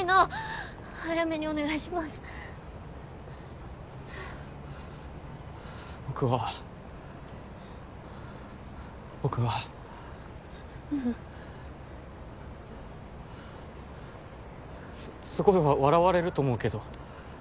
すすごい笑われると思うけど。